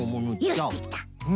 よしできた。